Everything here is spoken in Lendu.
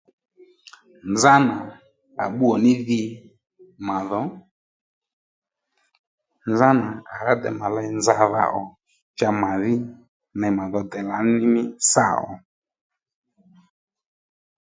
Nzánà à bbúwò ní dhi mà dhò nzánà à rǎ dey mà ley nzadha ò cha màdhí ney mà dho dey lǎní ní sâ ó